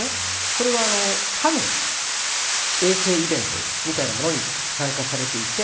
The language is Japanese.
これは歯の衛生イベントみたいなのに参加されていて